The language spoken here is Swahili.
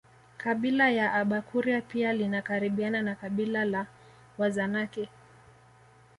Kabila la Abakuria pia linakaribiana na kabila la Wazanaki